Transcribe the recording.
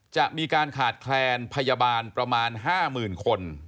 จะมีการขาดแคลนพยาบาลประมาณ๕๐๐๐คน